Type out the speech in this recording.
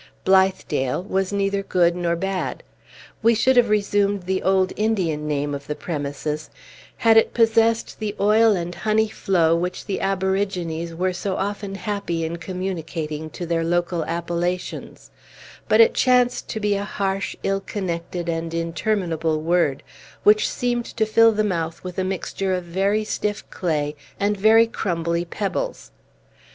Blithedale was neither good nor bad. We should have resumed the old Indian name of the premises, had it possessed the oil and honey flow which the aborigines were so often happy in communicating to their local appellations; but it chanced to be a harsh, ill connected, and interminable word, which seemed to fill the mouth with a mixture of very stiff clay and very crumbly pebbles.